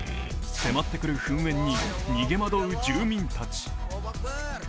迫ってくる噴煙に逃げまどう住民たち。